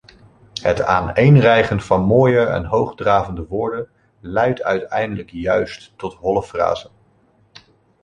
Het aaneenrijgen van mooie en hoogdravende woorden leidt uiteindelijk juist tot holle frasen.